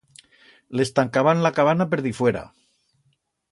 Les tancaban la cabana per difuera.